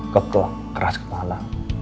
kekel keras kepala